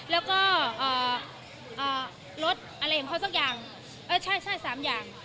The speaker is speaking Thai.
แล้วก็รถอะไรเห็นเพราะสักอย่างเออใช่ใช่๓อย่าง